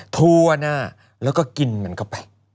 ทั่วหน้าแล้วก็กินมันเข้าไป